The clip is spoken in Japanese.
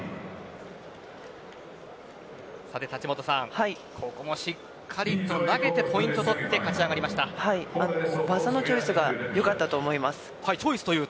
田知本さん、ここもしっかりと投げてポイントを取って技のチョイスがよかったと思います。